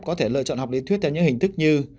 có thể lựa chọn học lý thuyết theo những hình thức như